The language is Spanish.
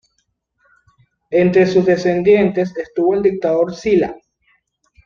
Entre sus descendientes estuvo el dictador Sila.